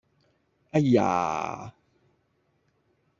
「哎呀」